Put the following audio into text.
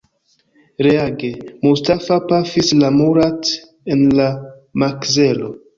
Reage, Mustafa pafis al Murat en la makzelo.